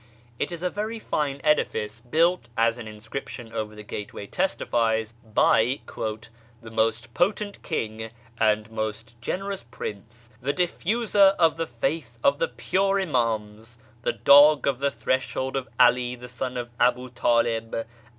It is a very fine edifice, built, as an inscription over the gateway 'testifies, by " the most potent king and most generous prince, the diffuser of the faith of the pure Im.ims, ... the dog of the threshold of 'All the son of Abu Talib